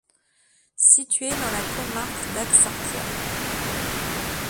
Située dans la comarque d'Axarquía.